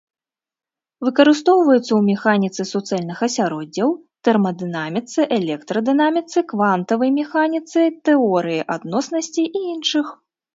Выкарыстоўваюцца ў механіцы суцэльных асяроддзяў, тэрмадынаміцы, электрадынаміцы, квантавай механіцы, тэорыі адноснасці і іншых.